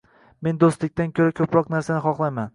- Men do'stlikdan ko'ra ko'proq narsani xohlayman!